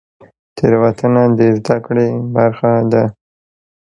تیروتنه د زده کړې برخه ده؟